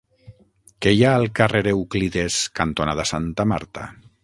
Què hi ha al carrer Euclides cantonada Santa Marta?